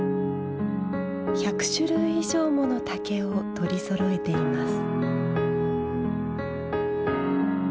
１００種類以上もの竹を取りそろえています。